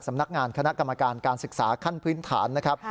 สำนักงานคณะกรรมการการศึกษาขั้นพื้นฐานนะครับ